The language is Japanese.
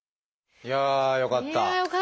いやあよかった！